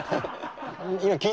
今聞いた？